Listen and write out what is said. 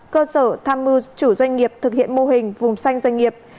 cơ sở tham mưu chủ doanh nghiệp thực hiện mô hình vùng xanh doanh nghiệp